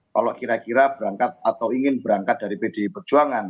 kalau kira kira berangkat atau ingin berangkat dari pdi perjuangan